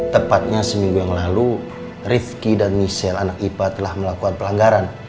tepatnya seminggu yang lalu rifki dan michelle anak ipa telah melakukan pelanggaran